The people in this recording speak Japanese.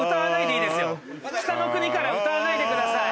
『北の国から』歌わないでください。